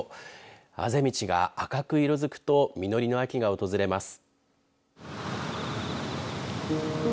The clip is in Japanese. あぜ道が赤く色づくと実りの秋が訪れます。